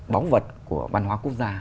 bảo vật của văn hóa quốc gia